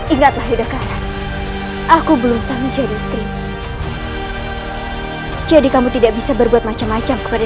ingatlah hidup kalian aku belum sampai jadi istri jadi kamu tidak bisa berbuat macam macam kepada